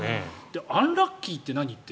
アンラッキーって何？って。